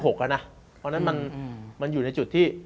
เพราะฉะนั้นมันอยู่ในจุดที่